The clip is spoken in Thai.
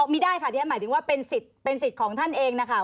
อ๋อมีได้ค่ะที่ฉันหมายถึงว่าเป็นสิทธิ์ของท่านเองนะคะ